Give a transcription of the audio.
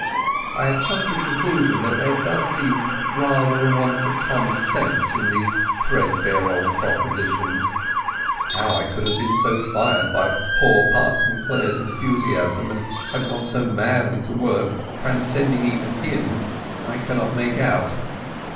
I have come to the conclusion that there does seem rather a want of common sense in these threadbare old propositions; how I could have been so fired by poor Parson Clare's enthusiasm, and have gone so madly to work, transcending even him, I cannot make out!